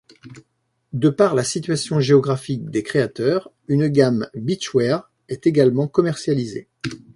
De par la situation géographique des créateurs, une gamme Beachwear est également commercialisée.